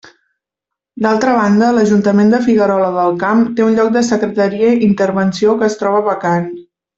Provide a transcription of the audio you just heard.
D'altra banda, l'Ajuntament de Figuerola del Camp té un lloc de secretaria intervenció que es troba vacant.